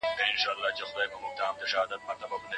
سم نیت پرمختګ نه دروي.